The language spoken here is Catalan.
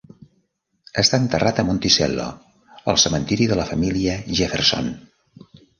Està enterrat a Monticello, al cementiri de la família Jefferson.